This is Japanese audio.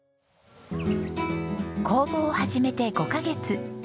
工房を始めて５カ月。